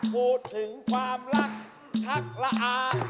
พูดถึงความรักชักละอา